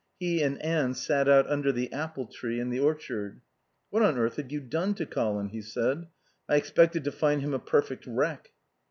He and Anne sat out under the apple trees in the orchard. "What on earth have you done to Colin?" he said. "I expected to find him a perfect wreck."